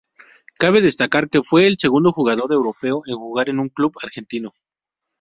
Cabe destacar que fue el segundo jugador europeo en jugar en un club argentino.